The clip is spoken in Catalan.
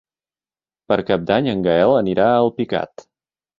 Per Cap d'Any en Gaël anirà a Alpicat.